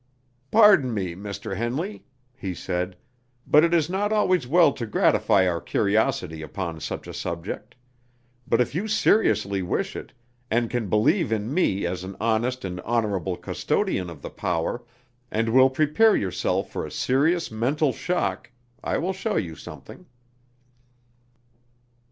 "Pardon me, Mr. Henley," he said, "but it is not always well to gratify our curiosity upon such a subject; but if you seriously wish it, and can believe in me as an honest and honorable custodian of the power, and will prepare yourself for a serious mental shock, I will show you something."